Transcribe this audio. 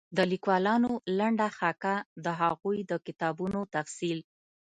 د ليکوالانو لنډه خاکه او د هغوی د کتابونو تفصيل